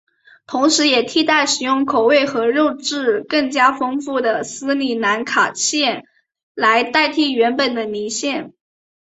同时也替代使用口味和肉质更加丰富的斯里兰卡蟹来代替原本的泥蟹。